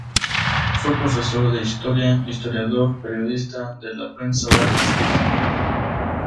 Fue profesor de historia, historiador, periodista de la prensa oral y escrita.